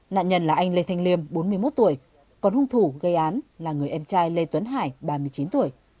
nạn nhân là anh lê thanh liêm bốn mươi một tuổi còn hung thủ gây án là người em trai lê tuấn hải ba mươi chín tuổi